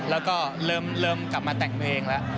แล้วก็เริ่มกลับมาแต่งเพลงแล้ว